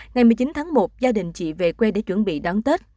ngày một mươi chín tháng một gia đình chị về quê để chuẩn bị đón tết